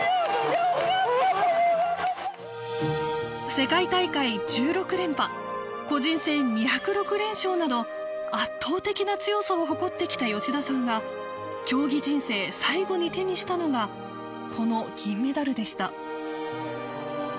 世界大会１６連覇個人戦２０６連勝など圧倒的な強さを誇ってきた吉田さんが競技人生最後に手にしたのがこの銀メダルでした